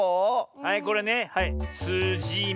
はいこれねはいす・じ・み。